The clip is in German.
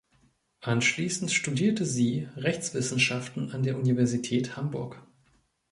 Anschließend studierte sie Rechtswissenschaften an der Universität Hamburg.